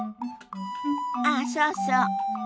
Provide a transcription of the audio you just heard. ああそうそう。